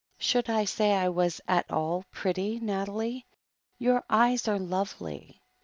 "Should you say I was at all pretty, Nathalie?" "Your eyes are lovely."